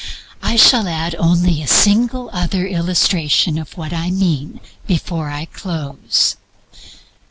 I shall add only a single other illustration of what I mean, before I close.